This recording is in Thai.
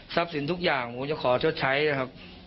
ทรัพย์สินทุกอย่างผมจะขอทศิลป์ใช้นะครับ